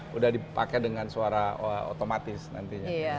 sudah dipakai dengan suara otomatis nantinya